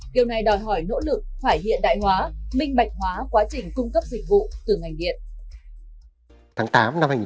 điều này đòi hỏi nỗ lực phải hiện đại hóa minh bạch hóa quá trình cung cấp dịch vụ từ ngành điện